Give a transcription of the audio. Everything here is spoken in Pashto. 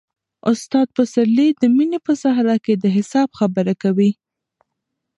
استاد پسرلی د مینې په صحرا کې د حساب خبره کوي.